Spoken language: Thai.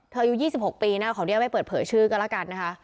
เธออายุ๒๖ปีนะขออนุญาตให้เปิดเผยชื่อกันละกันนะคะ